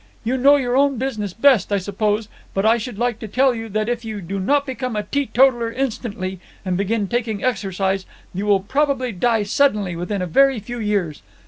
You know your own business best, I suppose, but I should like to tell you that if you do not become a teetotaller instantly, and begin taking exercise, you will probably die suddenly within a very few years.